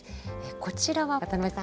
こちらは渡辺さん